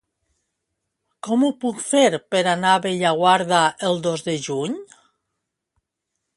Com ho puc fer per anar a Bellaguarda el dos de juny?